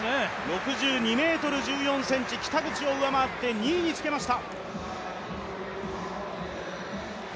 ６２ｍ１４ｃｍ、北口を上回って２位につけました。